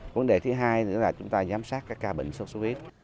vấn đề thứ hai nữa là chúng ta giám sát các ca bệnh sốt sốt huyết